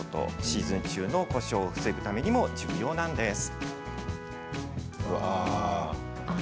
シーズン中の故障を防ぐためにも重要です。